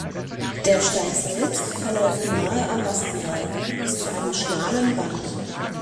Der Steig selbst verläuft nahe am Wasserfall bis zu einem schmalen Band.